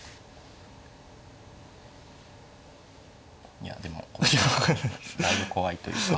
いやでもだいぶ怖いというか。